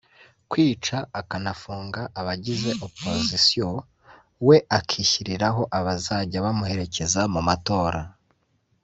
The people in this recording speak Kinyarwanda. Kwica akanafunga abagize oppositions we akishyiriraho abazajya bamuherekeza mu matora